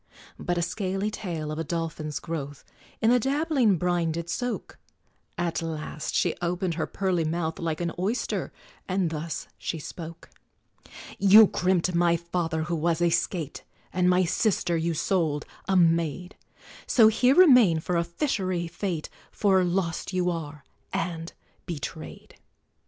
But a scaly tail, of a dolphin's growth, In the dabbling brine did soak: At last she opened her pearly mouth, Like an oyster, and thus she spoke: "You crimpt my father, who was a skate, And my sister you sold a maid; So here remain for a fish'ry fate, For lost you are, and betrayed!"